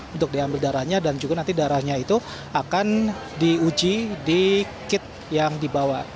untuk diambil darahnya dan juga nanti darahnya itu akan diuji di kit yang dibawa